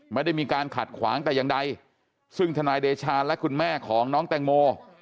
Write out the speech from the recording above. ไม่ได้มีการขัดขวางแต่อย่างใดซึ่งทนายเดชาและคุณแม่ของน้องแตงโม